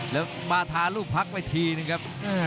และบาทาลูกพักวันเทียนมันน่ะครับ